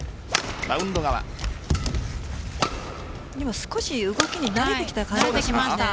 少し動きに慣れてきた感じがしますね。